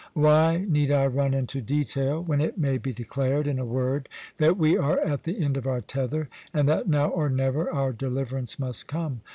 Why need I run into detail, when it may be declared in a word that we are at the end of our tether, and that now or never our deliverance must come?